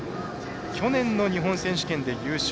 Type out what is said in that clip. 去年の日本選手権で優勝。